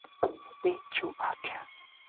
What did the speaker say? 탄핵의 심판